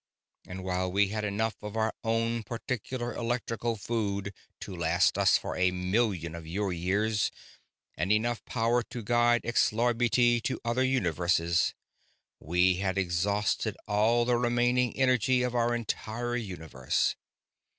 And while we had enough of our own particular electrical food to last us for a million of your years, and enough power to guide Xlarbti to other universes, we had exhausted all the remaining energy of our entire universe.